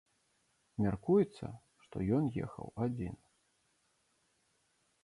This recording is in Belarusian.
Мяркуецца, што ён ехаў адзін.